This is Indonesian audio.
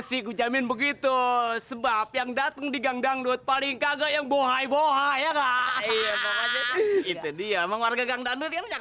sampai jumpa di video selanjutnya